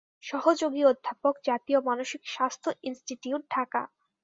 সহযোগী অধ্যাপক, জাতীয় মানসিক স্বাস্থ্য ইনস্টিটিউট, ঢাকা।